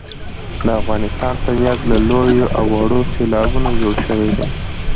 د افغانستان طبیعت له لویو او وړو سیلابونو جوړ شوی دی.